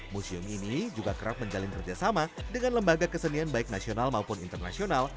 museum ini juga kerap menjalin kerjasama dengan lembaga kesenian baik nasional maupun internasional